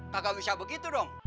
kagak bisa begitu dong